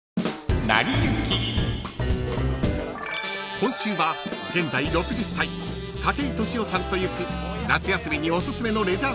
［今週は現在６０歳筧利夫さんと行く夏休みにおすすめのレジャー